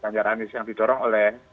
ganjar anies yang didorong oleh